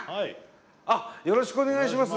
あよろしくお願いします。